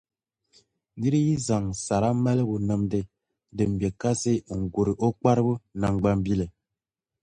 Nir’ yi zaŋ sara maligu nimdi din be kasi n-gur’ o kparibu naŋgbambili.